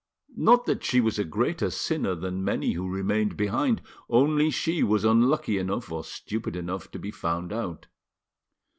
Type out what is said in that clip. Not that she was a greater sinner than many who remained behind, only she was unlucky enough or stupid enough to be found out.